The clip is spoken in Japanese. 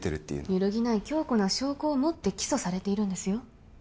揺るぎない強固な証拠をもって起訴されているんですよ